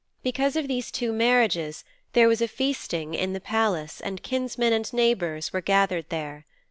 Because of these two marriages there was feasting in the palace and kinsmen and neighbours were gathered there.